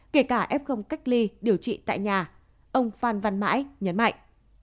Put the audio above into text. kể cả f cách ly điều trị tại nhà ông phan văn mãi nhấn mạnh